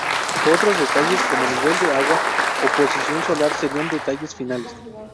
Otros detalles como nivel de agua o posición solar serían detalles finales.